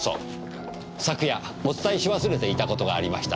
昨夜お伝えし忘れていたことがありました。